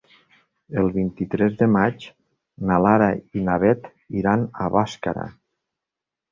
El vint-i-tres de maig na Lara i na Beth iran a Bàscara.